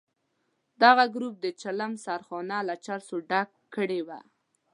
دغه ګروپ د چلم سرخانه له چرسو ډکه کړې وه.